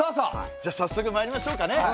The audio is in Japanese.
じゃあさっそくまいりましょうかね。